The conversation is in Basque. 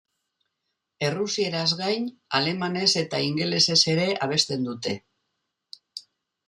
Errusieraz gain, alemanez eta ingelesez ere abesten dute.